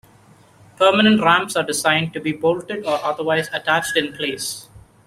Permanent ramps are designed to be bolted or otherwise attached in place.